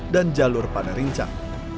dan jalur panarincak